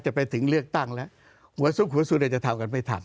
จะไปถึงเลือกตั้งแล้วหัวศุขสูรรัฐธาวณ์กันไม่ถัด